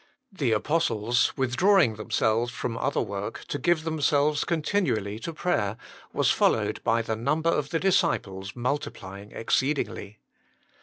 The apostles withdrawing themselves from other work to give themselves continually to prayer was followed by the number of the disciples multiplying exceedingly.